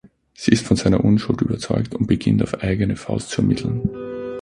Sie ist von seiner Unschuld überzeugt und beginnt auf eigene Faust zu ermitteln.